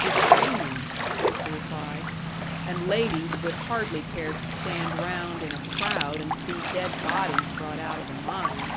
"It's raining," was the reply; "and ladies would hardly care to stand round in a crowd and see dead bodies brought out of a mine."